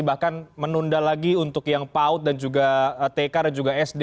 bahkan menunda lagi untuk yang paut dan juga tk dan juga sd